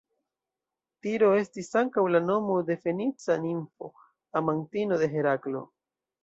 Tiro estis ankaŭ la nomo de fenica nimfo, amantino de Heraklo.